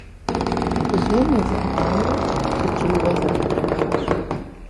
Бзум и зэманри ткӀийуэ зэпэлъытащ.